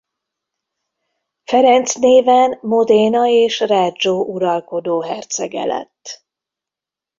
Ferenc néven Modena és Reggio uralkodó hercege lett.